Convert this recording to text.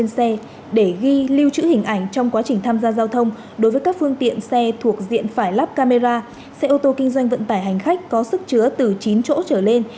xe ô tô kinh doanh vận tải hành khách có sức chứa từ chín chỗ trở lên